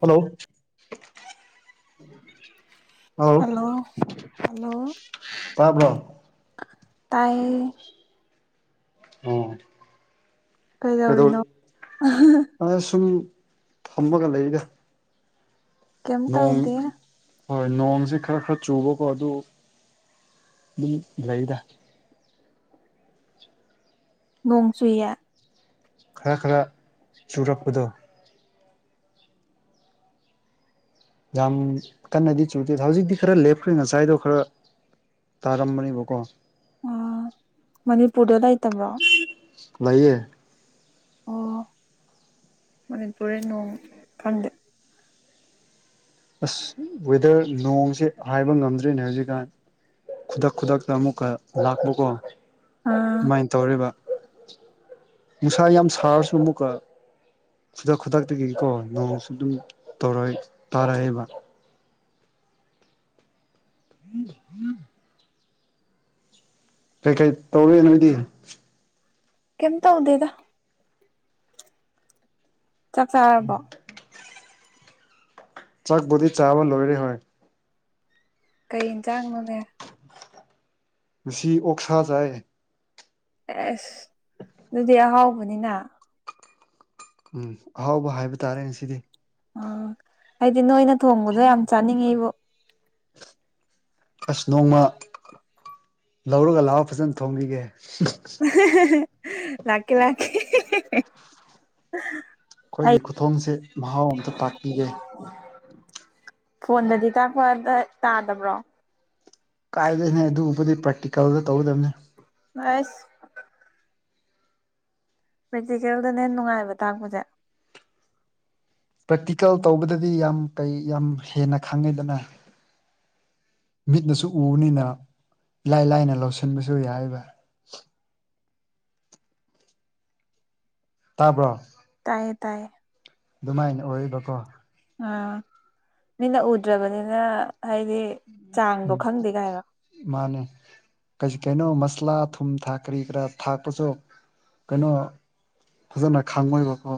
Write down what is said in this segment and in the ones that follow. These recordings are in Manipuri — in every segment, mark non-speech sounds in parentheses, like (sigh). ꯍꯜꯂꯣ ꯍꯜꯂꯣ ꯍꯂꯣ ꯍꯜꯂꯣ ꯇꯥꯕ꯭ꯔꯣ ꯇꯥꯏ ꯑꯣ ꯀꯩꯗꯧꯔꯤꯅꯣ ꯑꯥ ꯁꯨꯝ ꯐꯝꯃꯒ ꯂꯩꯗꯥ ꯀꯩꯝ ꯅꯣꯡ ꯇꯧꯗꯦ ꯍꯣꯏ ꯅꯣꯡꯁꯦ ꯈꯔ ꯈꯔ ꯆꯨꯕꯀꯣ ꯑꯗꯨ ꯑꯗꯨꯝ ꯂꯩꯗ ꯅꯣꯡ ꯆꯨꯏꯌꯦ ꯈꯔ ꯈꯔ ꯆꯨꯔꯛꯄꯗꯣ ꯌꯥꯝ ꯀꯟꯅꯗꯤ ꯆꯨꯗꯦ ꯍꯧꯖꯤꯛꯇꯤ ꯈꯔ ꯂꯦꯞꯈ꯭ꯔꯦ ꯉꯁꯥꯏꯗꯣ ꯈꯔ ꯇꯥꯔꯝꯕꯅꯤꯕꯀꯣ ꯑ ꯃꯅꯤꯄꯨꯔꯗ ꯂꯩꯇꯕ꯭ꯔꯣ ꯂꯩꯌꯦ ꯑꯣ ꯃꯅꯤꯄꯨꯔꯗ ꯅꯣꯡ ꯈꯪꯗꯦ ꯑꯁ ꯋꯦꯗꯔ ꯅꯣꯡꯁꯦ ꯍꯥꯏꯕ ꯉꯝꯗ꯭ꯔꯤꯅꯦ ꯍꯧꯖꯤꯛꯀꯥꯟ ꯈꯨꯗꯛ ꯈꯨꯗꯛꯇ ꯑꯃꯨꯛꯀ ꯂꯥꯛꯄꯀꯣ ꯑꯥ ꯑꯗꯨꯃꯥꯏꯅ ꯇꯧꯔꯤꯕ ꯅꯨꯡꯁꯥ ꯌꯥꯝ ꯁꯥꯔꯁꯨ ꯑꯃꯨꯛꯀ ꯈꯨꯗꯛ ꯈꯨꯗꯛꯇꯒꯤꯀꯣ ꯅꯣꯡꯁꯨ ꯑꯗꯨꯝ ꯇꯧꯔ ꯇꯥꯔꯛꯑꯦꯕ (unintelligible) ꯀꯩꯀꯩ ꯇꯧꯔꯦ ꯅꯣꯏꯗꯤ ꯀꯩꯝ ꯇꯧꯗꯦꯗꯥ ꯆꯥꯛ ꯆꯥꯔꯕꯣ ꯆꯥꯛꯕꯨꯗꯤ ꯆꯥꯕ ꯂꯣꯏꯔꯦ ꯍꯣꯏ ꯀꯩ ꯌꯦꯟꯁꯥꯡꯅꯣꯅꯦ ꯉꯁꯤ ꯑꯣꯛꯁꯥ ꯆꯥꯏꯌꯦ ꯑꯦꯁ ꯑꯗꯨꯗꯤ ꯑꯍꯥꯎꯕꯅꯤꯅ ꯎꯝ ꯑꯍꯥꯎꯕ ꯍꯥꯏꯕ ꯇꯥꯔꯦ ꯉꯁꯤꯗꯤ ꯑ ꯑꯩꯗꯤ ꯅꯣꯏꯅ ꯊꯣꯡꯕꯗꯣ ꯌꯥꯝ ꯆꯥꯅꯤꯡꯉꯤꯕꯨ ꯑꯁ ꯅꯣꯡꯃ ꯂꯧꯔꯒ ꯂꯥꯛꯑꯣ ꯐꯖꯅ ꯊꯣꯡꯕꯤꯒꯦ ꯂꯥꯛꯀꯦ ꯂꯥꯛꯀꯦ ꯑꯩ ꯑꯩꯈꯣꯏꯒꯤ ꯈꯨꯊꯣꯡꯁꯦ ꯃꯍꯥꯎ ꯇꯥꯛꯄꯤꯒꯦ ꯐꯣꯟꯗꯗꯤ ꯇꯥꯛꯄꯗ ꯇꯥꯗꯕ꯭ꯔꯣ ꯀꯥꯏꯗꯣꯅꯣꯍꯦ ꯑꯗꯨ ꯎꯠꯄꯗꯤ ꯄ꯭ꯔꯦꯇꯤꯀꯦꯜꯗ ꯇꯧꯒꯗꯕꯅꯤ ꯑꯁ ꯄ꯭ꯔꯦꯛꯇꯤꯀꯦꯜꯗ ꯍꯦꯟꯅ ꯅꯨꯡꯉꯥꯏꯕ ꯇꯥꯛꯄꯁꯦ ꯄ꯭ꯔꯦꯛꯇꯤꯀꯦꯜ ꯇꯧꯕꯗꯗꯤ ꯌꯥꯝ ꯀꯩ ꯌꯥꯝ ꯍꯦꯟꯅ ꯈꯪꯉꯦꯗꯅ ꯃꯤꯠꯅꯁꯨ ꯎꯕꯅꯤꯅ ꯏꯂꯥꯏ ꯂꯥꯏꯅ ꯂꯧꯁꯤꯟꯕꯁꯨ ꯌꯥꯏꯕ ꯇꯥꯕ꯭ꯔꯣ ꯇꯥꯏꯌꯦ ꯇꯥꯏꯌꯦ ꯑꯗꯨꯃꯥꯏꯅ ꯑꯣꯏꯌꯦꯕꯀꯣ ꯑꯥ ꯃꯤꯅ ꯎꯗ꯭ꯔꯕꯅꯤꯅ ꯍꯥꯏꯗꯤ ꯆꯥꯡꯗꯣ ꯎꯝ ꯈꯪꯗꯦ ꯀꯥꯏꯔꯣ ꯃꯥꯅꯦ ꯀ ꯀꯩꯅꯣ ꯃꯁꯂꯥ ꯊꯨꯝ ꯊꯥꯛ ꯀꯔꯤ ꯀꯔꯥ ꯊꯥꯛꯄꯁꯨ ꯀꯩꯅꯣ ꯐꯖꯅ ꯈꯥꯡꯉꯣꯏꯕꯀꯣ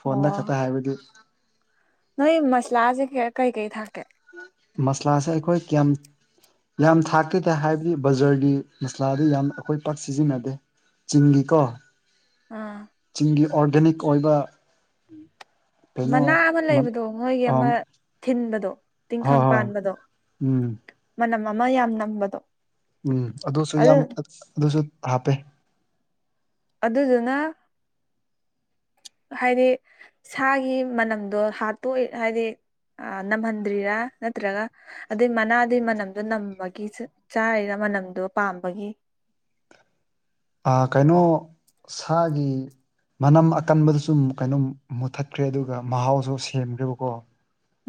ꯐꯣꯟꯗ ꯑꯣ ꯈꯛꯇ ꯍꯥꯏꯕꯗꯤ ꯅꯣꯏ ꯃꯁꯂꯥꯁꯦ ꯀꯩ ꯀꯩ ꯊꯥꯛꯀꯦ ꯃꯁꯂꯥꯁꯦ ꯑꯩꯈꯣꯏ ꯀꯌꯥꯝ ꯌꯥꯝ ꯊꯥꯛꯇꯦ ꯇꯥꯏꯍꯥꯏꯕꯗꯤ ꯕꯖꯥꯔꯒꯤ ꯃꯁꯂꯥꯗꯤ ꯌꯥꯝ ꯑꯩꯈꯣꯏ ꯄꯥꯛ ꯁꯤꯖꯤꯟꯅꯗꯦ ꯆꯤꯡꯒꯤꯀꯣ ꯑꯥ ꯆꯤꯡꯒꯤ ꯑꯣꯔꯒꯥꯅꯤꯛ ꯑꯣꯏꯕ ꯀꯩꯅꯣ ꯃꯅꯥ ꯑꯃ ꯂꯩꯕꯗꯣ ꯅꯣꯏꯒꯤ ꯑ ꯑꯃ ꯊꯤꯟꯕꯗꯣ ꯍꯣꯏ ꯇꯤꯡꯈꯪ ꯍꯣꯏ ꯄꯥꯟꯕꯗꯣ ꯎꯝ ꯃꯅꯝ ꯑꯃ ꯌꯥꯝ ꯅꯝꯕꯗꯣ ꯎꯝ ꯑꯗꯨꯁꯨ ꯑꯗꯨ ꯌꯥꯝ ꯑꯗꯨꯁꯨ ꯍꯥꯞꯄꯦ ꯑꯗꯨꯗꯨꯅ ꯍꯥꯏꯗꯤ ꯁꯥꯒꯤ ꯃꯅꯝꯗꯣ ꯍꯥꯠꯇꯣꯛ ꯍꯥꯏꯗꯤ ꯑꯥ ꯅꯝꯍꯟꯗ꯭ꯔꯤꯔꯥ ꯅꯠꯇ꯭ꯔꯒ ꯑꯗꯨꯏ ꯃꯅꯥꯗꯨꯢ ꯃꯅꯝꯗꯣ ꯅꯝꯕꯒꯤ ꯆꯠ ꯆꯥꯔꯤꯔ ꯃꯅꯝꯗꯣ ꯄꯥꯝꯕꯒꯤ ꯑꯥ ꯀꯩꯅꯣ ꯁꯥꯒꯤ ꯃꯅꯝ ꯑꯀꯟꯕꯗꯁꯨꯨꯝ ꯀꯩꯅꯣꯝ ꯃꯨꯊꯠꯈ꯭ꯔꯦ ꯑꯗꯨꯒ ꯃꯍꯥꯎꯁꯨ ꯁꯦꯝꯈ꯭ꯔꯦꯕꯀꯣ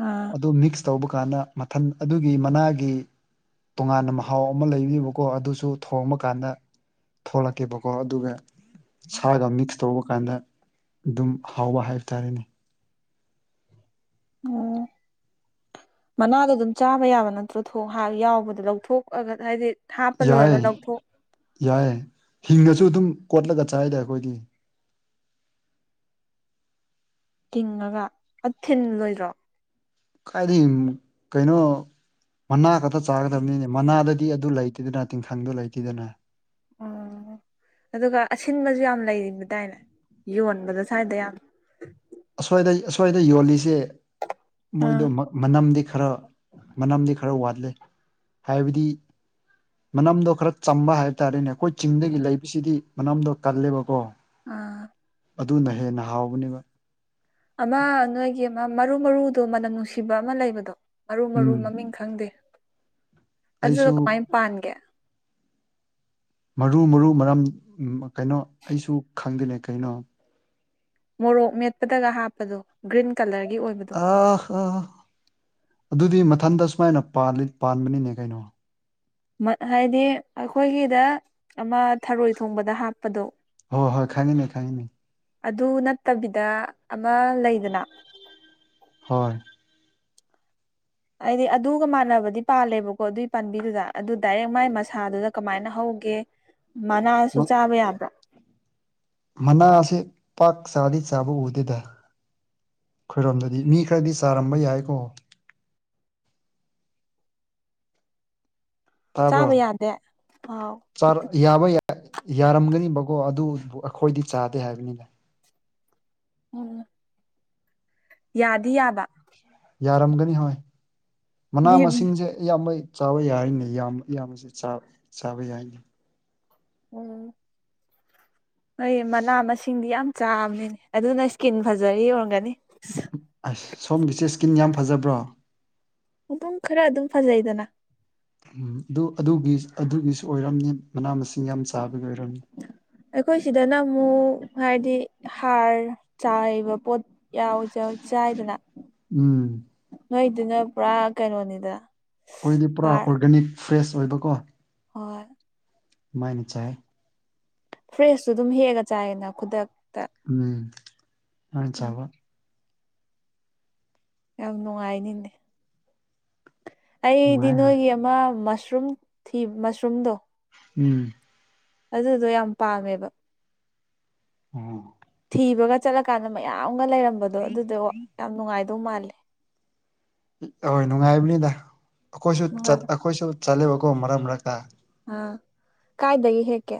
ꯑꯥ ꯑꯗꯨ ꯃꯤꯛꯁ ꯇꯧꯕ ꯀꯥꯟꯗ ꯃꯊꯟ ꯑꯗꯨꯒꯤ ꯃꯅꯥꯒꯤ ꯇꯣꯉꯥꯟꯅ ꯃꯍꯥꯎ ꯑꯃ ꯂꯩꯕꯤꯕꯀꯣ ꯑꯗꯨꯁꯨ ꯊꯣꯡꯕ ꯀꯥꯟꯗ ꯊꯣꯛꯂꯛꯀꯦꯕꯀꯣ ꯑꯗꯨꯒ ꯁꯥꯒ ꯃꯤꯛꯁ ꯇꯧꯕ ꯀꯥꯟꯗ ꯑꯗꯨꯝ ꯍꯥꯎꯕ ꯍꯥꯏꯕ ꯇꯥꯔꯦꯅꯦ ꯑꯣ ꯃꯅꯥꯗꯣ ꯑꯗꯨꯝ ꯆꯥꯕ ꯌꯥꯕ ꯅꯠꯇ꯭ꯔꯣ ꯊꯣꯡ ꯍꯥ ꯌꯥꯎꯕꯗ ꯂꯧꯊꯣꯛꯑꯒ ꯍꯥꯏꯗꯤ ꯍꯥꯞꯄ ꯂꯣꯏꯔꯒ ꯌꯥꯏ ꯂꯧꯊꯣꯛ ꯌꯥꯏꯌꯦ ꯍꯤꯡꯉꯁꯨ ꯑꯗꯨꯝ ꯀꯣꯠꯂꯒ ꯆꯥꯏꯗꯥ ꯑꯩꯈꯣꯏꯗꯤ ꯇꯤꯡꯉꯒ ꯑꯊꯤꯟ ꯂꯣꯏꯗ꯭ꯔꯣ ꯀꯥꯏꯗꯩꯝ ꯀꯩꯅꯣ ꯃꯅꯥ ꯈꯛꯇ ꯆꯥꯒꯗꯕꯅꯤꯅꯦ ꯃꯅꯥꯗꯗꯤ ꯑꯗꯨ ꯂꯩꯇꯦꯗꯅ ꯇꯤꯡꯈꯪꯗꯨ ꯂꯩꯇꯦꯗꯅ ꯑꯣ ꯑꯗꯨꯒ ꯑꯁꯤꯟꯕꯁꯨ ꯌꯥꯝ ꯂꯩꯔꯤꯕꯗꯥꯥꯏꯅꯦ ꯌꯣꯟꯕꯗ ꯁ꯭ꯋꯥꯏꯗ ꯌꯥꯝ ꯑꯁ꯭ꯋꯥꯏꯗ ꯑꯁ꯭ꯋꯥꯏꯗ ꯌꯣꯜꯂꯤꯁꯦ ꯃꯣꯏꯗꯣ ꯃꯅꯝꯗꯤ ꯈꯔ ꯃꯅꯝꯗꯤ ꯈꯔ ꯋꯥꯠꯂꯦ ꯍꯥꯏꯕꯗꯤ ꯃꯅꯝꯗꯣ ꯈꯔ ꯆꯝꯕ ꯍꯥꯏꯕ ꯇꯥꯔꯦꯅꯦ ꯑꯩꯈꯣꯏ ꯆꯤꯡꯗꯒꯤ ꯂꯩꯕꯁꯤꯗꯤ ꯃꯅꯝꯗꯣ ꯀꯜꯂꯦꯕꯀꯣ ꯑꯥ ꯑꯗꯨꯅ ꯍꯦꯟꯅ ꯍꯥꯎꯕꯅꯤꯅ ꯑꯃ ꯅꯣꯏꯒꯤ ꯑꯃ ꯃꯔꯨ ꯃꯔꯨꯗꯣ ꯃꯅꯝ ꯅꯨꯡꯁꯤꯕ ꯑꯃ ꯂꯩꯕꯗꯣ ꯃꯔꯨ ꯃꯔꯨ ꯎꯝ ꯃꯃꯤꯡ ꯈꯔ ꯈꯪꯗꯦ ꯑꯗꯨ ꯑꯩꯁꯨ ꯀꯃꯥꯏꯟ ꯄꯥꯟꯒꯦ ꯃꯔꯨ ꯃꯔꯨ ꯃꯔꯝ ꯎꯝ ꯀꯩꯅꯣ ꯑꯩꯁꯨ ꯈꯪꯗꯅꯦ ꯀꯩꯅꯣ ꯃꯣꯔꯣꯛ ꯃꯦꯠꯄꯗꯒ ꯍꯥꯞꯄꯗꯣ ꯒ꯭ꯔꯤꯟ ꯀꯂꯔꯒꯤ ꯑꯣꯏꯕꯗꯣ (unintelligible) ꯑꯗꯨꯗꯤ ꯃꯊꯟꯗ ꯁꯨꯃꯥꯏꯅ ꯄꯥꯜꯂꯤ ꯄꯥꯟꯕꯅꯤꯅꯦ ꯀꯩꯅꯣ ꯃꯠ ꯍꯥꯏꯗꯤ ꯑꯩꯈꯣꯏꯒꯤꯗ ꯑꯃ ꯊꯔꯣꯏ ꯊꯣꯡꯕꯗ ꯍꯥꯞꯄꯗꯣ ꯍꯣꯏ ꯍꯣꯏ ꯈꯪꯉꯤꯅꯦ ꯈꯪꯉꯤꯅꯦ ꯑꯗꯨ ꯅꯠꯇꯕꯤꯗ ꯑꯃ ꯂꯩꯗꯅ ꯍꯣꯏ ꯑꯩꯗꯤ ꯑꯗꯨꯒ ꯃꯥꯟꯅꯕꯗꯤ ꯄꯥꯜꯂꯦꯕꯀꯣ ꯑꯗꯨꯏ ꯄꯥꯝꯕꯤꯗꯨꯗ ꯑꯗꯨ ꯗꯥꯏꯔꯦꯛ ꯃꯥꯏ ꯃꯁꯥꯗꯨꯗ ꯀꯃꯥꯏꯅ ꯍꯧꯒꯦ ꯃꯅꯥꯁꯨ ꯆꯥꯕ ꯌꯥꯕ꯭ꯔꯥ ꯃꯅꯥꯁꯦ ꯄꯥꯛ ꯆꯥꯗꯤ ꯆꯥꯕ ꯎꯗꯦꯗ ꯈꯣꯏꯔꯣꯝꯗꯗꯤ ꯃꯤ ꯈꯔꯗꯤ ꯆꯥꯔꯝꯕ ꯌꯥꯏꯀꯣ ꯆꯥꯕ ꯌꯥꯗꯦ ꯑꯥꯎ ꯆꯔꯥ ꯌꯥꯕ ꯌꯥꯏ ꯌꯥꯔꯝꯒꯅꯤꯕꯀꯣ ꯑꯗꯨꯕꯨ ꯑꯩꯈꯣꯏꯗꯤ ꯆꯥꯗꯦ ꯍꯥꯏꯕꯅꯤꯅꯦ ꯎꯝ ꯌꯥꯗꯤ ꯌꯥꯕ ꯌꯥꯔꯝꯒꯅꯤ ꯍꯣꯏ ꯃꯅꯥ ꯃꯤ ꯃꯁꯤꯡꯁꯦ ꯏꯌꯥꯝꯕꯩ ꯆꯥꯕ ꯌꯥꯔꯤꯅꯤ ꯌꯥꯝꯕ ꯏꯌꯥꯝꯕꯁꯤ ꯆꯥ ꯆꯥꯕꯥ ꯌꯥꯏꯅꯤ ꯎꯝ ꯍꯣꯏ ꯃꯅꯥ ꯃꯁꯤꯡꯗꯤ ꯌꯥꯝ ꯆꯥꯕꯅꯦ ꯑꯗꯨꯅ ꯏꯁꯀꯤꯟ ꯐꯖꯔꯤ ꯑꯣꯏꯔꯝꯒꯅꯤ ꯑꯁ ꯁꯣꯝꯒꯤꯁꯦ ꯏꯁꯀꯤꯟ ꯌꯥꯝ ꯐꯖꯕ꯭ꯔꯣ ꯑꯗꯨꯝ ꯈꯔ ꯑꯗꯨꯝ ꯐꯖꯩꯗꯅ ꯎꯝ ꯑꯗꯨ ꯑꯗꯨꯒꯤ ꯑꯗꯨꯒꯤꯁꯨ ꯑꯣꯏꯔꯝꯅꯤ ꯃꯅꯥ ꯃꯁꯤꯡ ꯌꯥꯝ ꯆꯥꯕꯒꯤ ꯑꯣꯏꯔꯝꯅꯤ ꯑꯩꯈꯣꯏ ꯁꯤꯗꯅ ꯑꯃꯨꯛ ꯍꯥꯏꯗꯤ ꯍꯥꯔ ꯆꯥꯏꯕ ꯄꯣꯠ__ ꯌꯥꯎꯖ ꯆꯥꯏꯗꯅ ꯎꯝ ꯅꯣꯏꯗꯨꯅ ꯄꯨꯔꯥ ꯀꯩꯅꯣꯅꯤꯗ ꯑꯩꯈꯣꯏꯗꯤ ꯄꯨꯔꯥ ꯑꯣꯔꯒꯥꯅꯤꯛ ꯐ꯭ꯔꯦꯁ ꯑꯣꯏꯕꯀꯣ ꯍꯣꯏ ꯃꯥꯏꯅ ꯆꯥꯏ ꯐ꯭ꯔꯦꯁꯁꯨꯨ ꯑꯗꯨꯝ ꯍꯦꯛꯑꯒ ꯆꯥꯏꯌꯦꯅ ꯈꯨꯗꯛ__ ꯎꯝ ꯑꯥ ꯆꯕ ꯌꯥꯝ ꯅꯨꯡꯉꯥꯏꯅꯤꯅꯦ ꯑꯩꯗꯤ ꯅꯨꯡꯉꯥꯏ ꯍꯣꯏ ꯅꯣꯏꯒꯤ ꯑꯃ ꯃꯁꯔꯨꯝ ꯊꯤ ꯃꯁꯔꯨꯝꯗꯣ ꯎꯝ ꯑꯗꯨꯗꯣ ꯌꯥꯝ ꯄꯥꯝꯃꯦꯕ ꯑꯣ ꯊꯤꯕꯒ ꯆꯠꯂꯀꯥꯟꯗ ꯃꯌꯥꯝꯒ ꯂꯩꯔꯝꯕꯗꯣ ꯑꯗꯨꯗꯣ ꯋꯥ ꯌꯥꯝ ꯅꯨꯡꯉꯥꯏꯗꯧ ꯃꯥꯜꯂꯦ ꯑꯣꯏ ꯅꯨꯡꯉꯥꯏꯕꯅꯤꯗ ꯑꯩꯈꯣꯏꯁꯨ ꯆꯠ ꯅꯨꯡꯉꯥꯏ ꯑꯩꯈꯣꯏꯁꯨ ꯆꯠꯂꯦꯕꯀꯣ ꯃꯔꯛ ꯃꯔꯛꯇ__ ꯑ ꯀꯥꯏꯗꯒꯤ ꯍꯦꯛꯀꯦ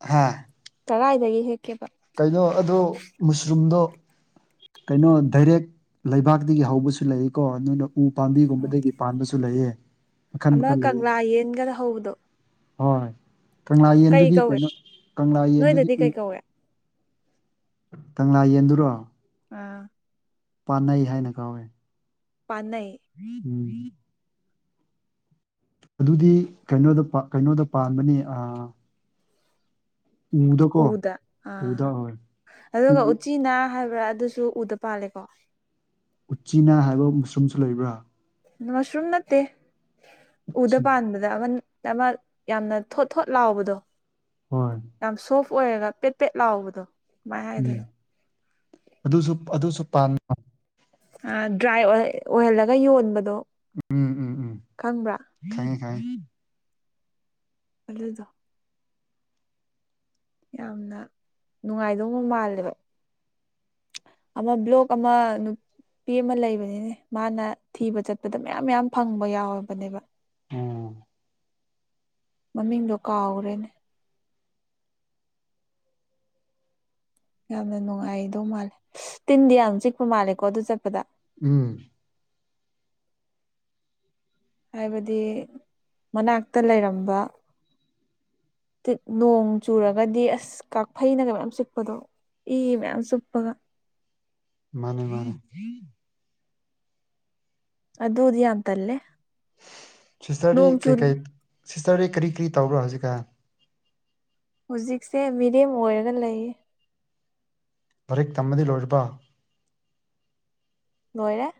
ꯍꯥꯥ ꯇꯔꯥꯥꯏꯗꯒꯤ ꯍꯦꯛꯀꯦꯕ ꯀꯩꯅꯣ ꯑꯗꯨ ꯃꯨꯁ꯭ꯔꯨꯝꯗꯣ ꯀꯩꯅꯣ ꯗꯥꯏꯔꯦꯛ ꯂꯩꯕꯥꯛꯗꯒꯤ ꯍꯧꯕꯁꯨ ꯂꯩꯀꯣ ꯑꯗꯨꯅ ꯎ ꯎꯝ ꯄꯥꯝꯕꯤꯒꯨꯝꯕꯗꯒꯤ ꯄꯥꯟꯕꯁꯨ ꯂꯩꯌꯦ ꯃꯈꯟ ꯑꯃ ꯃꯈꯟ ꯂꯩꯌꯦ ꯀꯪꯂꯥ ꯌꯦꯟꯒꯗ ꯍꯧꯕꯗꯣ ꯍꯣꯏ ꯀꯪꯂꯥ ꯀꯩ ꯌꯦꯟꯗꯨꯗꯤ ꯀꯧꯏ ꯀꯩꯅꯣ ꯀꯪꯂꯥ ꯌꯦꯟꯗꯨꯗꯤ ꯅꯣꯏꯗꯗꯤ ꯎ ꯀꯩ ꯀꯧꯏ ꯀꯪꯂꯥ ꯌꯦꯟꯗꯨꯔꯣ ꯑꯥ ꯄꯥꯟꯅꯩ ꯍꯥꯏꯅ ꯀꯧꯋꯦ ꯄꯥꯅꯩ ꯎꯝ ꯑꯗꯨꯗꯤ ꯀꯩꯅꯣꯗ ꯄꯥ ꯀꯩꯅꯣꯗ ꯄꯥꯟꯕꯅꯤ ꯑꯥ ꯎꯗ ꯑꯥ ꯎꯗ ꯍꯣꯏ ꯎ ꯑꯗꯨꯒ ꯎꯆꯤꯅ ꯍꯥꯏꯕ꯭ꯔꯥ ꯑꯗꯨꯁꯨ ꯎꯗ ꯄꯥꯜꯂꯦꯀꯣ ꯎꯆꯤꯅꯥ ꯍꯥꯏꯕ ꯃꯨꯁꯨꯝꯁꯨ ꯂꯩꯕ꯭ꯔꯥ ꯃꯁ꯭ꯔꯨꯝ ꯅꯠꯇꯦ ꯎꯗ ꯎꯆꯤꯅꯥ ꯄꯥꯟꯕꯥ__ ꯑꯗ ꯑꯃꯟ ꯆꯥꯃꯛ ꯌꯥꯝꯅ ꯊꯣꯠ ꯊꯣꯠ ꯂꯥꯎꯕꯗꯣ ꯍꯣꯏ ꯌꯥꯝ ꯁꯣꯐ ꯑꯣꯏꯔꯒ ꯄꯦꯠ ꯄꯦꯠ ꯂꯥꯎꯕꯗꯣ ꯀꯃꯥꯏꯅ ꯎꯝ ꯍꯥꯏꯗꯣꯏꯅꯣ ꯑꯗꯨꯁꯨ ꯑꯗꯨꯁꯨ ꯄꯥꯟ__ ꯑꯥ ꯗ꯭ꯔꯥꯏ ꯑꯣꯏꯍ ꯑꯣꯏꯍꯜꯂꯒ ꯌꯣꯟꯕꯗꯣ ꯎꯝ ꯎꯝ ꯎꯝ ꯈꯪꯕ꯭ꯔꯥ ꯈꯪꯉꯦ ꯈꯪꯉꯦ ꯑꯗꯨꯗꯣ ꯌꯥꯝꯅ ꯅꯨꯡꯉꯥꯏꯗꯧꯕ ꯃꯥꯜꯂꯦꯕ ꯑꯃ ꯕ꯭ꯂꯣꯛ ꯑꯃ ꯅꯨꯞ__ ꯄꯤ ꯑꯃ ꯂꯩꯕꯅꯤꯅꯦ ꯃꯥꯅ ꯊꯤꯕ ꯆꯠꯄꯗ ꯃꯌꯥꯝ ꯃꯌꯥꯝ ꯐꯪꯕ ꯌꯥꯎꯔꯕꯅꯦꯕ ꯎꯝ ꯃꯃꯤꯡꯗꯣ ꯀꯥꯎꯒ꯭ꯔꯦꯅꯦ ꯌꯥꯝꯅ ꯅꯨꯡꯉꯥꯏꯗꯧ ꯃꯥꯜꯂꯦ ꯇꯤꯟꯗꯤ ꯌꯥꯝ ꯆꯤꯛꯄ ꯃꯥꯜꯂꯦꯀꯣ ꯑꯗꯨ ꯆꯠꯄꯗ ꯎꯝ ꯍꯥꯏꯕꯗꯤ ꯃꯅꯥꯛꯇ ꯂꯩꯔꯝꯕ ꯇꯤꯠ ꯅꯣꯡ ꯆꯨꯔꯒꯗꯤ ꯑꯁ ꯀꯥꯐꯩꯅꯒ ꯃꯌꯥꯝ ꯆꯤꯛꯄꯗꯣ ꯏ ꯃꯌꯥꯝ ꯆꯨꯞꯄꯒ ꯃꯥꯟꯅꯦ ꯃꯥꯟꯅꯦ ꯑꯗꯨꯗꯤ ꯌꯥꯝ ꯇꯜꯂꯦ ꯁꯤꯁꯇ꯭ꯔꯗꯤ ꯅꯣꯡ ꯆꯨ ꯀꯩꯀꯩ ꯁꯤꯁꯇ꯭ꯔꯗꯤ ꯀꯔꯤ ꯀꯔꯤ ꯇꯧꯕ꯭ꯔꯣ ꯍꯧꯖꯤꯛꯀꯥꯟ ꯍꯨꯖꯤꯛꯁꯦ ꯃꯤꯔ‌ꯦꯝ ꯑꯣꯏꯔꯒ ꯂꯩꯌꯦ ꯄꯔꯤꯛ ꯇꯝꯕꯗꯤ ꯂꯣꯏꯔꯕ ꯂꯣꯏꯔꯦ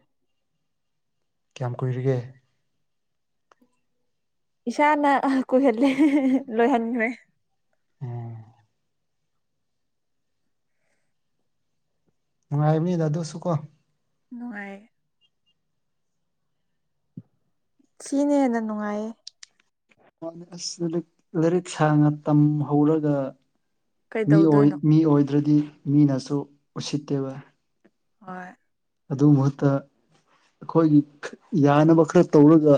ꯀꯌꯥꯝ ꯀꯨꯏꯔꯤꯒꯦ ꯏꯁꯥꯅ ꯑ ꯀꯨꯏꯍꯜꯂꯦ ꯂꯣꯏꯍꯟꯈ꯭ꯔ‌ꯦ ꯎꯝ ꯅꯨꯡꯉꯥꯏꯕꯅꯤꯗ ꯑꯗꯨꯁꯨ ꯀꯣ ꯅꯨꯡꯉꯥꯏ ꯁꯤꯅ ꯍꯦꯟꯅ ꯅꯨꯡꯉꯥꯏꯌꯦ ꯃꯥꯟꯅ‌ꯦ ꯑꯁ ꯂꯥꯏꯔꯤꯛ ꯂꯥꯏꯔꯤꯛ ꯁꯥꯡꯅ ꯇꯝꯍꯧꯔꯒ ꯃꯤ ꯑ‌ꯣꯏ ꯀꯩꯗꯧꯗꯣꯏꯅꯣ ꯃꯤ ꯑꯣꯏꯗ꯭ꯔꯗꯤ ꯃꯤꯅꯁꯨ ꯎꯁꯤꯠꯇꯦꯕ ꯍꯣꯏ ꯑꯗꯨ ꯃꯍꯨꯠꯇ ꯑꯩꯈꯣꯏꯒꯤ ꯌꯥꯅꯕ ꯈꯔ ꯇꯧꯔꯒ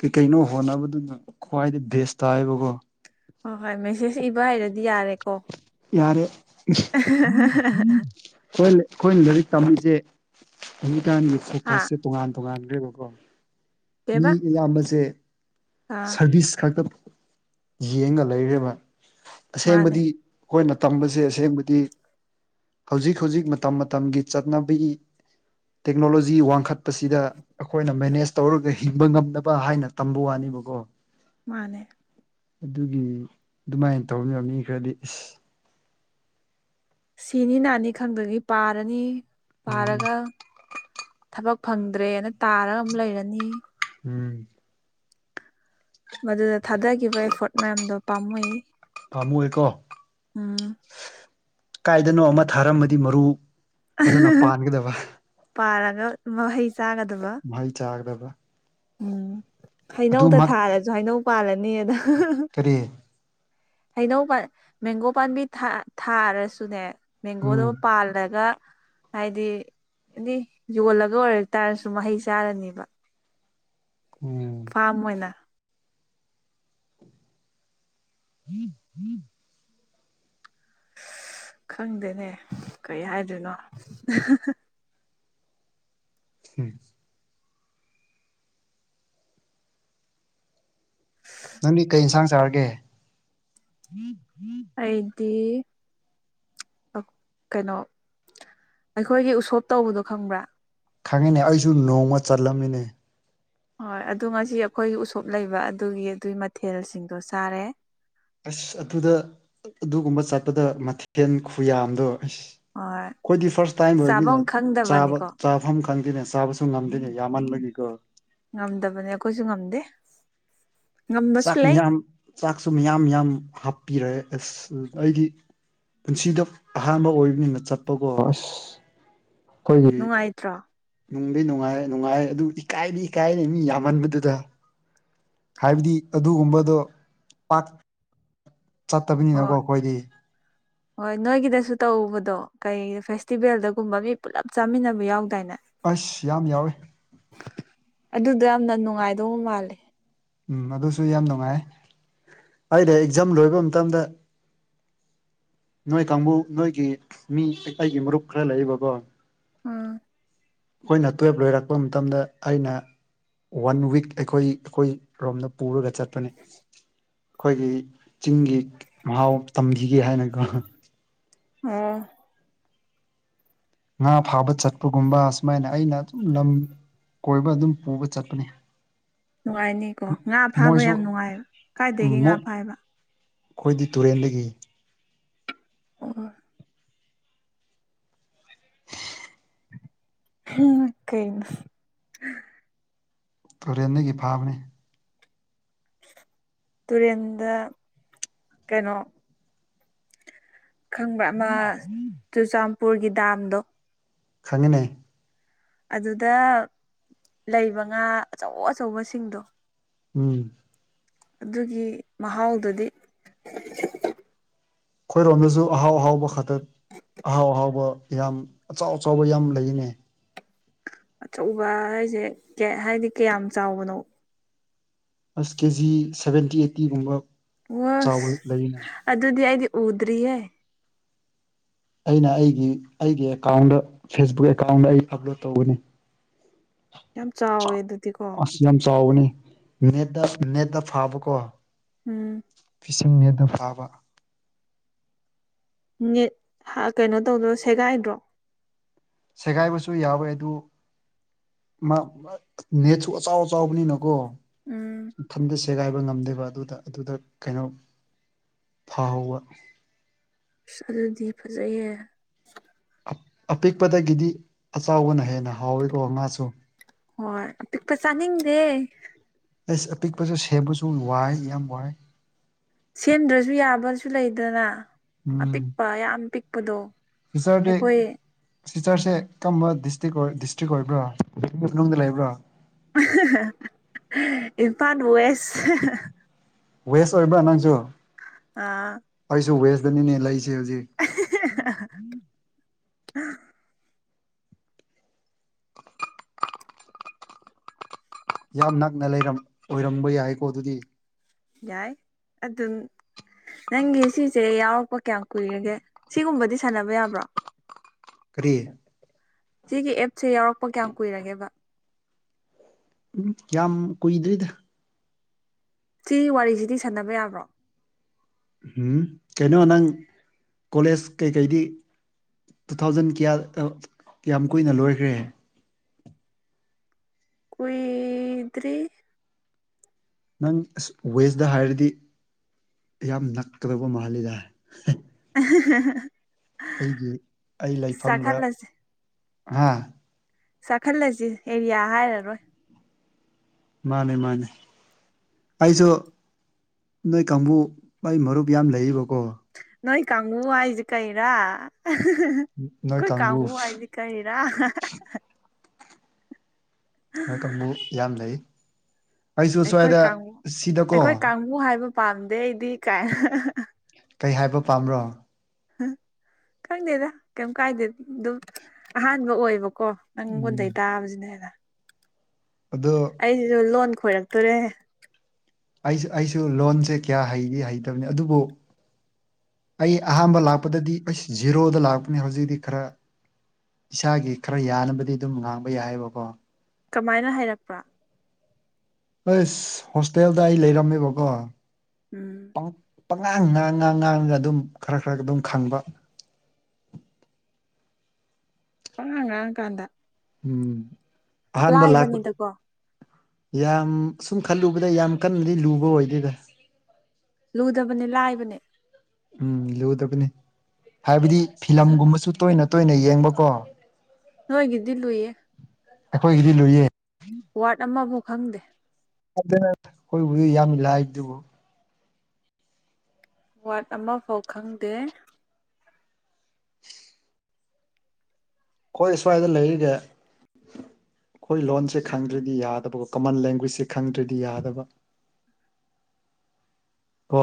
ꯀꯩꯀꯩꯅꯣ ꯍꯣꯠꯅꯕꯗꯨꯅ ꯈ꯭ꯋꯥꯏꯗ ꯕꯦꯁ ꯇꯥꯏꯌꯦꯕꯀꯣ ꯍꯣꯏ ꯍꯣꯏ ꯃꯦꯁꯦꯖ ꯏꯕ ꯍꯩꯔꯗꯤ ꯌꯥꯔꯦꯀꯣ ꯌꯥꯔꯦ (unintelligible) ꯈꯣꯏ ꯂꯩ ꯈꯣꯏꯅ ꯂꯩꯔꯤꯛ ꯇꯝꯃꯤꯁꯦ ꯍꯧꯖꯤꯀꯥꯟꯒꯤ ꯍꯥ ꯐ‌ꯣꯀꯁꯁ‌ꯦ ꯇꯣꯉꯥꯟ ꯇꯣꯉꯥꯟꯒ꯭ꯔꯦꯕꯀꯣ ꯃꯤ ꯀꯩꯕ ꯑꯌꯥꯝꯕꯁꯦ ꯑꯥ ꯁꯔꯚꯤꯁ ꯈꯛꯇ ꯌꯦꯡꯉ ꯂꯩꯔ‌ꯦꯕ ꯃꯥꯅꯦ ꯑꯁꯦꯡꯕꯗꯤ ꯈꯣꯏꯅ ꯇꯝꯕꯁꯦ ꯑꯁꯦꯡꯕꯗꯤ ꯍꯧꯖꯤꯛ ꯍꯧꯖꯤꯛ ꯃꯇꯝ ꯃꯇꯝꯒꯤ ꯆꯠꯅꯕꯤ ꯇꯦꯛꯅꯣꯂꯣꯖꯤ ꯋꯥꯡꯈꯠꯄꯁꯤꯗ ꯑꯈꯣꯏꯅ ꯃꯦꯅꯦꯖ ꯇꯧꯔꯒ ꯍꯤꯡꯕ ꯉꯝ ꯗꯕ ꯍꯥꯏꯅ ꯇꯝꯕ ꯋꯥꯅꯦꯕꯀꯣ ꯃꯥꯟꯅꯦ ꯑꯗꯨꯒꯤ ꯑꯗꯨꯃꯥꯏꯅ ꯇꯧꯅꯤꯕ ꯃꯤ ꯈꯔꯗꯤ ꯏꯁ ꯁꯤꯅꯤ ꯅꯥꯅꯤ ꯈꯪꯗꯒꯩ ꯄꯥꯔꯅꯤ ꯎꯝ ꯄꯥꯔꯒ ꯊꯕꯛ ꯐꯪꯗ꯭ꯔꯦꯅ ꯇꯥꯔꯒ ꯑꯃꯨꯛ ꯂꯩꯔꯅꯤ ꯎꯝ ꯃꯗꯨꯗ ꯊꯥꯗꯒꯤꯕ ꯑꯦꯐꯣꯔꯠ ꯃꯌꯥꯝꯗꯣ ꯄꯥꯝꯃꯨꯏ ꯄꯥꯝꯃꯨꯏꯌ‌ꯦꯀꯣ ꯎꯝ ꯀꯥꯏꯗꯅꯣ ꯑꯃ ꯊꯥꯔꯝꯃꯗꯤ ꯃꯔꯨ ꯐꯖꯅ ꯄꯥꯟꯒꯗꯕ ꯄꯥꯔꯒ ꯃꯍꯩ ꯆꯥꯒꯗꯕ ꯃꯍꯩ ꯆꯥꯒꯗꯕ ꯎꯝ ꯍꯩꯅꯧꯗ ꯑꯗꯨꯃꯛ ꯊꯥꯔꯖꯨ ꯍꯩꯅꯧ ꯄꯥꯜꯂꯅꯤ ꯑꯗ ꯀꯔꯤ ꯍꯩꯅꯧ ꯄꯥꯟ ꯃꯦꯡꯒꯣ ꯄꯥꯟꯕꯤ ꯊꯥ ꯊꯥꯔꯁꯨꯅꯦ ꯃꯦꯡꯒꯣꯗ ꯎꯝ ꯄꯥꯜꯂꯒ ꯍꯥꯏꯗꯤ ꯑꯦꯗꯤ ꯌꯣꯜꯂꯒ ꯑꯣꯏꯔꯛ ꯇꯥꯔꯁꯨ ꯃꯍꯩ ꯆꯥꯔꯅꯤꯕ ꯎꯝ ꯐꯥꯝ ꯑꯣꯏꯅꯥ (unintelligible) ꯈꯪꯗꯦꯅꯦ ꯀꯩ ꯍꯥꯏꯗꯣꯏꯅꯣ ꯎꯝ ꯅꯪꯗꯤ ꯀꯩ ꯌꯦꯟꯁꯥꯡ ꯆꯥꯔꯒꯦ (unintelligible) ꯑꯩꯗꯤ ꯀꯩꯅꯣ ꯑꯩꯈꯣꯏꯒꯤ ꯎꯁꯣꯞ ꯇꯧꯕꯗꯣ ꯈꯪꯕ꯭ꯔꯥ ꯈꯪꯉꯤꯅꯦ ꯑꯩꯁꯨ ꯅꯣꯡꯃ ꯆꯠꯂꯝꯃꯤꯅꯦ ꯍꯣꯏ ꯑꯗꯨ ꯉꯁꯤ ꯑꯩꯈꯣꯏ ꯎꯁꯣꯞ ꯂꯩꯕ ꯑꯗꯨꯒꯤ ꯑꯗꯨꯒꯤ ꯃꯊꯦꯜꯁꯤꯡꯗꯣ ꯆꯥꯔꯦ ꯑꯁ ꯑꯗꯨꯗ ꯑꯗꯨꯒꯨꯝꯕ ꯆꯠꯄꯗ ꯃꯊꯦꯜ ꯈꯨꯌꯥꯝꯗꯣ ꯑꯁ ꯍꯣꯏ ꯈꯣꯏꯗꯤ ꯐꯁ ꯇꯥꯏꯝ ꯑꯣꯏ ꯃꯤꯅꯥ ꯆꯥꯐꯝ ꯆꯥꯕ ꯈꯪꯗꯕꯅꯤꯀꯣ ꯆꯥꯐꯝ ꯈꯪꯗꯦꯅꯦ ꯆꯥꯕꯁꯨ ꯉꯝꯗꯦꯅꯦ ꯌꯥꯝꯃꯜꯕꯒꯤꯀꯣ ꯉꯝꯗꯕꯅꯦ ꯑꯩꯈꯣꯏꯁꯨ ꯉꯝꯗꯦ ꯉꯝꯕꯁꯨ ꯆꯥꯛ ꯂꯩ ꯃꯌꯥꯝ ꯆꯥꯛꯁꯨ ꯃꯌꯥꯝ ꯌꯥꯝ ꯍꯥꯞꯄꯤꯔꯦ ꯑꯁ ꯑꯩꯒꯤ ꯄꯨꯟꯁꯤꯗ ꯑꯍꯥꯟꯕ ꯑꯣꯏꯕꯅꯤꯅ ꯆꯠꯄꯀꯣ ꯑꯁ ꯑꯩꯈꯣꯏꯒꯤ ꯅꯨꯡꯉꯥꯏꯇ꯭ꯔꯣ ꯅꯨꯡꯗꯤ ꯅꯨꯡꯉꯥꯏ ꯅꯨꯡꯉꯥꯏ ꯑꯗꯨ ꯏꯀꯥꯏꯗꯤ ꯏꯀꯥꯏꯅꯦ ꯃꯤ ꯌꯥꯝꯃꯟꯕꯗꯨꯗ ꯍꯥꯏꯕꯗꯤ ꯑꯗꯨꯒꯨꯝꯕꯗꯣ ꯄꯥꯛ ꯆꯠꯇꯕꯅꯤꯅꯀꯣ ꯍꯣꯏ ꯑꯩꯈꯣꯏꯗꯤ (inaudible) ꯍꯣꯏ ꯅꯣꯏꯒꯤꯗꯁꯨ ꯇꯧꯕꯗꯣ ꯀꯩ ꯐꯦꯁꯇꯤꯚꯦꯜꯗꯒꯨꯝꯕ ꯃꯤ ꯄꯨꯜꯂꯞ ꯆꯥꯃꯤꯟꯅꯕ ꯌꯥꯎꯗꯥꯏꯅꯦ ꯑꯁ ꯌꯥꯝ ꯌꯥꯎꯋꯦ ꯑꯗꯨꯗ ꯌꯥꯝꯅ ꯅꯨꯡꯉꯥꯏꯗꯧꯕ ꯃꯥꯜꯂꯦ ꯎꯝ ꯑꯗꯨꯁꯨ ꯌꯥꯝ ꯅꯨꯡꯉꯥꯏ ꯑꯩꯅ ꯑꯦꯛꯖꯥꯝ ꯂꯣꯏꯕ ꯃꯇꯝꯗ ꯅꯣꯏ ꯀꯥꯡꯕꯨ ꯅꯣꯏꯒꯤ ꯃꯤ ꯑꯩꯒꯤ ꯃꯔꯨꯞ ꯈꯔ ꯂꯩꯕꯕꯣ ꯎꯝ ꯑꯩꯈꯣꯏꯅ ꯇꯨꯌꯦꯜꯕ ꯂꯣꯏꯔꯛꯄ ꯃꯇꯝꯗ ꯑꯩꯅ ꯋꯥꯟ ꯋꯤꯛ ꯑꯩꯈꯣꯏ ꯑꯩꯈꯣꯏꯔꯣꯝꯗ ꯄꯨꯔꯒ ꯆꯠꯄꯅꯦ ꯑꯩꯈꯣꯏꯒꯤ ꯆꯤꯡꯒꯤ ꯃꯍꯥꯎ ꯇꯝꯕꯤꯒꯦ ꯍꯥꯏꯅ ꯑ ꯉꯥ ꯐꯥꯕ ꯆꯠꯄꯒꯨꯝꯕ ꯁꯨꯃꯥꯏꯅ ꯑꯩꯅ ꯑꯗꯨꯝ ꯂꯝ ꯀꯣꯏꯕ ꯑꯗꯨꯝ ꯄꯨꯕ ꯆꯠꯄꯅꯤ ꯅꯨꯡꯉꯥꯏꯅꯤꯀꯣ ꯉꯥ ꯐꯥꯕ ꯃꯣꯏꯁꯨ ꯌꯥꯝ ꯅꯨꯡꯉꯥꯏꯕ ꯀꯥꯏꯗꯒꯤ ꯉꯥ ꯃꯣꯏ ꯐꯥꯏꯕꯥ ꯑꯩꯈꯣꯏꯗꯤ ꯇꯨꯔꯦꯟꯗꯒꯤ (unintelligible) (unintelligible) ꯇꯨꯔꯦꯟꯗꯒꯤ ꯐꯥꯕꯅꯤ ꯇꯨꯔꯦꯟꯗ ꯀꯩꯅꯣ ꯈꯪꯕ꯭ꯔꯥ ꯑꯃ ꯆꯨꯔꯆꯥꯟꯄꯨꯔꯒꯤ ꯗꯥꯝꯗꯣ ꯈꯪꯉꯤꯅꯦ ꯑꯗꯨꯗ ꯂꯩꯕ ꯉꯥ ꯑꯆꯧ ꯑꯆꯧꯕꯁꯤꯡꯗꯣ ꯎꯝ ꯑꯗꯨꯒꯤ ꯃꯍꯥꯎꯗꯨꯗꯤ ꯑꯩꯈꯣꯏꯔꯣꯝꯗꯁꯨ ꯑꯍꯥꯎ ꯑꯍꯥꯎꯕ ꯈꯛꯇ ꯑꯍꯥꯎ ꯑꯍꯥꯎꯕ ꯌꯥꯝ ꯑꯆꯥꯎ ꯑꯆꯥꯎꯕ ꯌꯥꯝ ꯂꯩꯅꯦ ꯑꯆꯧꯕ ꯍꯥꯏꯁꯦ ꯍꯥꯏꯗꯤ ꯀꯌꯥꯝ ꯆꯥꯎꯕꯅꯣ ꯑꯁ ꯀꯦꯖꯤ ꯁꯦꯚꯦꯟꯇꯤ ꯑꯩꯠꯇꯤꯒꯨꯝꯕ ꯑꯣꯁ ꯆꯥꯎꯕ ꯂꯩꯅꯦ ꯑꯗꯨꯗꯤ ꯑꯩꯗꯤ ꯎꯗ꯭ꯔꯤꯍꯦ ꯑꯩꯅ ꯑꯩꯒꯤ ꯑꯩꯒꯤ ꯑꯦꯀꯥꯎꯟꯗ ꯐꯦꯁꯕꯨꯛ ꯑꯦꯀꯥꯎꯟꯗ ꯑꯩ ꯑꯞꯂꯣꯠ ꯇꯧꯕꯅꯦ ꯌꯥꯝ ꯆꯥꯎꯋꯦ ꯑꯗꯨꯗꯤꯀꯣ ꯑꯁ ꯌꯥꯝ ꯆꯥꯎꯕꯅꯤ ꯅꯦꯠꯇ ꯅꯦꯠꯇ ꯐꯥꯕꯀꯣ ꯎꯝ ꯏꯁꯤꯡ ꯅꯦꯠꯇ ꯐꯥꯕ ꯅꯦꯠ ꯍꯥ ꯀꯩꯅꯣ ꯇꯧꯗ꯭ꯔꯣ ꯁꯦꯒꯥꯏꯗ꯭ꯔꯣ ꯁꯦꯒꯥꯏꯕꯁꯨ ꯌꯥꯎꯋꯦ ꯑꯗꯨ ꯃꯥ ꯅꯦꯁꯨ ꯑꯆꯥꯎ ꯑꯆꯥꯎꯕꯅꯤꯅꯀꯣ ꯎꯝ ꯊꯟꯗ ꯁꯦꯒꯥꯏꯕ ꯉꯝꯗꯦꯕ ꯑꯗꯨꯗ ꯑꯗꯨꯗ ꯀꯩꯅꯣ ꯐꯍꯧꯕ ꯑꯁ ꯑꯗꯨꯗꯤ ꯐꯖꯩꯍꯦ ꯑꯄꯤꯛꯄꯗꯒꯤꯗꯤ ꯑꯆꯥꯎꯕꯅ ꯍꯦꯟꯅ ꯍꯥꯎꯋꯤꯀꯣ ꯉꯥꯁꯨ ꯍꯣꯏ ꯑꯄꯤꯛꯄ ꯆꯥꯅꯤꯡꯗꯦ ꯑꯩꯁ ꯑꯄꯤꯛꯄꯁꯨ ꯁꯦꯝꯕꯁꯨ ꯋꯥꯏ ꯌꯥꯝ ꯋꯥꯏ ꯁꯦꯝꯗ꯭ꯔꯁꯨ ꯌꯥꯕꯁꯨ ꯂꯩꯗꯅ ꯑꯄꯤꯛꯄ ꯌꯥꯝ ꯄꯤꯛꯄꯗꯣ ꯄꯤꯁꯔꯗꯤ ꯑꯩꯈꯣꯏ ꯁꯤꯁꯇꯔꯁꯦ ꯀꯔꯝꯕ ꯗꯤꯁꯇ꯭ꯔꯤꯛ ꯑꯣꯏ ꯗꯤꯁꯇ꯭ꯔꯤꯛ ꯑꯣꯏꯕ꯭ꯔ (unintelligible) ꯃꯅꯨꯡꯗ ꯂꯩꯕ꯭ꯔꯣ ꯏꯝꯐꯥꯟ ꯋꯦꯁ ꯋꯦꯁ ꯑꯣꯏꯕ꯭ꯔꯥ ꯅꯪꯁꯨ ꯑꯥ ꯑꯩꯁꯨ ꯋꯦꯁꯇꯅꯤꯅꯦ ꯂꯩꯁꯦ ꯍꯧꯖꯤꯛ (unintelligible) ꯌꯥꯝ ꯅꯛꯅ ꯂꯩꯔꯝ ꯑꯣꯏꯔꯝꯕ ꯌꯥꯏꯀꯣ ꯑꯗꯨꯗꯤ ꯌꯥꯏ ꯑꯗꯨꯝ ꯅꯪꯒꯤ ꯁꯤꯁꯦ ꯌꯥꯎꯔꯛꯄ ꯀꯌꯥꯝ ꯀꯨꯏꯔꯒꯦ ꯁꯤꯒꯨꯝꯕꯗꯤ ꯁꯥꯟꯅꯕ ꯌꯥꯕ꯭ꯔꯣ ꯀꯔꯤ ꯁꯤꯒꯤ ꯑꯦꯞꯁꯦ ꯌꯥꯎꯔꯛꯄ ꯀꯌꯥꯝ ꯀꯨꯏꯔꯒꯦꯕ ꯎꯝ ꯌꯥꯝ ꯀꯨꯏꯗ꯭ꯔꯤꯗ ꯁꯤꯒꯤ ꯋꯥꯔꯤꯁꯤꯗꯤ ꯁꯥꯟꯅꯕ ꯌꯥꯕ꯭ꯔꯣ ꯎꯝ ꯀꯩꯅꯣ ꯅꯪ ꯀꯣꯂꯦꯖ ꯀꯩꯀꯩꯗꯤ ꯇꯨ ꯊꯥꯎꯖꯟ ꯀꯌꯥ ꯀꯌꯥꯝ ꯀꯨꯏꯅ ꯂꯣꯏꯈ꯭ꯔꯦ ꯀꯨꯏꯗ꯭ꯔꯤ ꯅꯪ ꯑꯁ ꯋꯦꯁꯇ ꯍꯥꯏꯔꯗꯤ ꯌꯥꯝ ꯅꯛꯀꯗꯕ ꯃꯥꯜꯂꯤꯗ ꯑ (inaudible) ꯑꯩꯒꯤ ꯑꯩ ꯂꯩꯐꯝꯒ ꯆꯥꯛꯈꯠꯂꯁꯤ ꯍꯥ ꯆꯥꯛꯈꯠꯂꯁꯤ ꯑꯦꯔꯤꯌꯥ ꯍꯥꯏꯔꯔꯣꯏ ꯃꯥꯅꯦ ꯃꯥꯅꯦ ꯑꯩꯁꯨ ꯅꯣꯏ ꯀꯥꯡꯕꯨ ꯑꯩꯩ ꯃꯔꯨꯞ ꯌꯥꯝ ꯂꯩꯔꯤꯌꯦꯕꯀꯣ ꯅꯣꯏ ꯀꯥꯡꯕꯨ ꯍꯥꯏꯁꯤ ꯀꯩꯔꯥ ꯑꯩꯈꯣꯏ ꯀꯥꯡꯕꯨ ꯍꯥꯏꯁꯤ ꯀꯩꯔꯥ ꯅꫭꯏ ꯀꯥꯡꯕꯨ ꯌꯥꯝ ꯂꯩ ꯑꯩꯁꯨ ꯑꯩꯈꯣꯏ ꯁ꯭ꯋꯥꯏꯗ ꯀꯥꯡꯕꯨ ꯁꯤꯗꯀꯣ ꯑꯩꯈꯣꯏ ꯀꯥꯡꯕꯨ ꯍꯥꯏꯕ ꯄꯥꯝꯗꯦ ꯑꯩꯗꯤ ꯀꯥꯏ ꯀꯩ ꯍꯥꯏꯕ ꯄꯥꯝꯕ꯭ꯔꯣ ꯈꯪꯗꯦꯗ ꯀꯩꯝ ꯀꯥꯏꯗꯦ ꯑꯗꯨꯝ ꯑꯍꯥꯟꯕ ꯑꯣꯏꯕ__ ꯀꯣ ꯎꯝ ꯅꯪꯉꯣꯟꯗꯩ ꯇꯥꯕꯖꯤꯅ ꯍꯦꯟꯅ ꯑꯗꯣ ꯑꯩꯖꯤꯖꯨ ꯂꯣꯟ ꯈꯣꯏꯔꯛꯇꯣꯔꯦ ꯑꯩꯁꯨ ꯑꯩꯁꯨ ꯂꯣꯟꯖꯦ ꯀꯌꯥ ꯍꯩꯗꯤ ꯍꯩꯇꯕꯅꯤ ꯑꯗꯨꯕꯨ ꯑꯩ ꯑꯍꯥꯟꯕ ꯂꯥꯛꯄꯗꯗꯤ ꯑꯩꯁ ꯖꯤꯔꯣꯗ ꯂꯥꯛꯄꯅꯦ ꯍꯧꯖꯤꯛꯇꯤ ꯈꯔ ꯏꯁꯥꯒꯤ ꯈꯔ ꯌꯥꯅꯕꯗꯤ ꯑꯗꯨꯝ ꯉꯥꯡꯕ ꯌꯥꯏꯌꯦꯕꯀꯣ ꯀꯃꯥꯏꯅ ꯍꯥꯏꯔꯛꯄ꯭ꯔꯥ ꯑꯁ ꯍꯣꯁꯇꯦꯜꯗ ꯑꯩ ꯂꯩꯔꯝꯃꯦꯕꯀꯣ ꯎꯝ ꯎꯪ ꯄꯪꯉꯥꯡ ꯉꯥꯡ ꯉꯥꯡ ꯉꯥꯡꯉꯒ ꯑꯗꯨꯝ ꯈꯔ ꯈꯔ ꯑꯗꯨꯝ ꯈꯪꯕ ꯄꯉꯥꯡ ꯉꯥꯡꯉ ꯀꯥꯟꯗ ꯎꯝ ꯑꯍꯥꯟꯕ ꯂꯥꯛꯄ__ ꯂꯥꯏꯕꯅꯤꯗꯀꯣ ꯌꯥꯝ ꯁꯨꯝ ꯈꯜꯂꯨꯕꯗ ꯌꯥꯝ ꯀꯟꯅꯗꯤ ꯂꯨꯕ ꯑꯣꯏꯗꯦꯗ ꯂꯨꯗꯕꯅꯦ ꯂꯥꯏꯕꯅꯦ ꯎꯝ ꯂꯨꯗꯕꯅꯤ ꯍꯥꯏꯕꯗꯤ ꯐꯤꯂꯝꯒꯨꯝꯕꯁꯨ ꯇꯣꯏꯅ ꯇꯣꯏꯅ ꯌꯦꯡꯕꯀꯣ ꯅꯣꯏꯒꯤꯗꯤ ꯂꯨꯏꯌꯦ ꯑꯩꯈꯣꯏꯒꯤꯗꯤ ꯂꯨꯏꯌꯦ ꯋꯥꯔꯗ ꯑꯃꯕꯨꯛ ꯈꯪꯗꯦ ꯍꯣꯏꯗ ꯑꯈꯣꯏꯕꯨꯗꯤ ꯌꯥꯝ ꯂꯥꯏꯕꯗꯨꯕꯨ ꯋꯥꯔꯗ ꯑꯃꯐꯥꯎ ꯈꯪꯗꯦ ꯈꯣꯏ ꯁ꯭ꯋꯥꯏꯗ ꯂꯩꯔꯤꯒꯦ ꯑꯈꯣꯏ ꯂꯣꯟꯁꯦ ꯈꯪꯗ꯭ꯔꯗꯤ ꯌꯥꯗꯕ ꯀꯃꯟ ꯂꯦꯡꯒ꯭ꯋꯦꯖꯁꯦ ꯈꯪꯗ꯭ꯔꯗꯤ ꯌꯥꯗꯕ (inaudible) ꯀꯣ